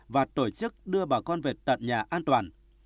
và tổ chức đưa bà con về tận nhà an toàn